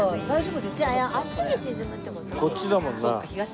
じゃああっちに沈むって事？